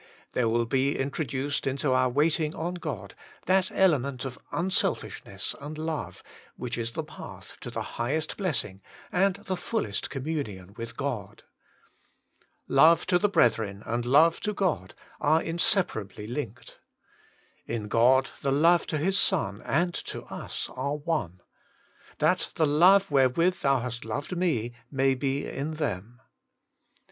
There will be introduced into our waiting on God that element of unselfishness and love, which is the path to the highest blessing, and the fullest communion with God. Love to the brethren and love to God are inseparably linked. In God, the love to His Son and to U8 are one: *That the love wherewith Thou hast loved Me, may be in them.'